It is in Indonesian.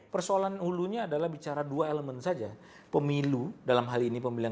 pertama reformasi kepemiluan